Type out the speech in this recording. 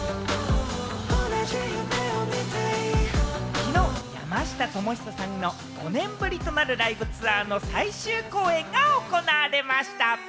きのう、山下智久さんの５年ぶりとなるライブツアーの最終公演が行われました。